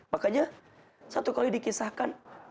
makanya satu kali dikisahkan